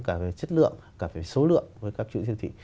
cả về chất lượng cả về số lượng với các chuỗi siêu thị